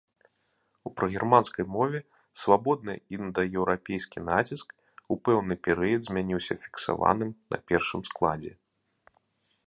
У прагерманскай мове свабодны індаеўрапейскі націск у пэўны перыяд змяніўся фіксаваным на першым складзе.